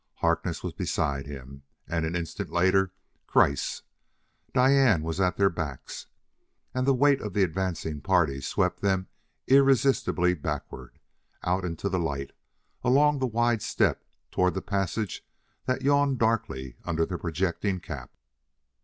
Harkness was beside him, and an instant later, Kreiss; Diane was at their backs. And the weight of the advancing bodies swept them irresistibly backward, out into the light, along the wide step toward the passage that yawned darkly under the projecting cap.